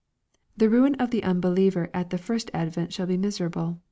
The ruin of the un believer at the first advent shall be miserable.